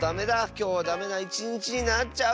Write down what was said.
きょうはダメないちにちになっちゃうよ。